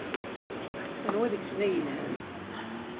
Anwa deg-sen ay yelhan?